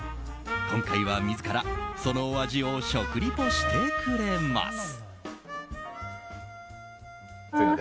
今回は自らそのお味を食リポしてくれます。